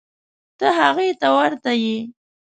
ته هغې ته ورته یې.